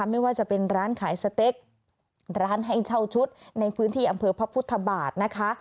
ไม่ว่าจะเป็นร้านขายสเต็กร้านให้เช่าชุดในพื้นที่อำเภอพระพุทธบาทนะคะ